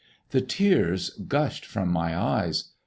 The tears gushed from my eyes.